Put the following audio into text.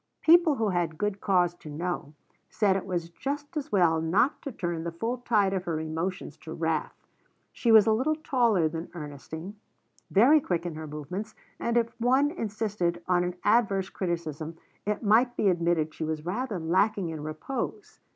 People who had good cause to know, said it was just as well not to turn the full tide of her emotions to wrath. She was a little taller than Ernestine, very quick in her movements, and if one insisted on an adverse criticism it might be admitted she was rather lacking in repose.